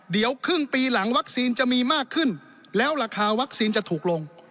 เดี๋ยวครึ่งปีหลังวัคซีนจะมีมากขึ้นแล้วราคาวัคซีนจะถูกลง